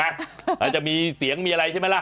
อาจจะมีเสียงมีอะไรใช่ไหมล่ะ